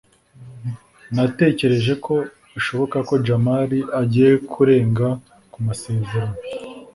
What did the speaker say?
natekereje ko bishoboka ko jamali agiye kurenga ku masezerano